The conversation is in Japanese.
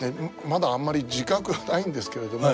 まだあんまり自覚がないんですけれども